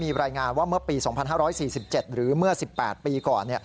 มีรายงานว่าเมื่อปี๒๕๔๗หรือเมื่อ๑๘ปีก่อน